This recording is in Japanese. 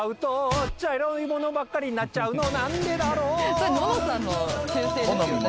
「それののさんの習性ですよね？